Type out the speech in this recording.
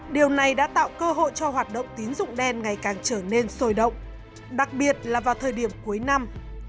điều này đã tạo cơ hội cho hoạt động tín dụng đen ngày càng trở nên sôi động đặc biệt là vào thời điểm cuối năm